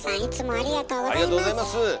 ありがとうございます。